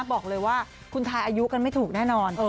บอกเลยว่าคุณทายอายุกันไม่ถูกแน่นอน